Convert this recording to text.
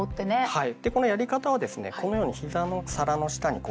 はい。